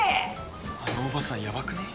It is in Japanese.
あのおばさんやばくね。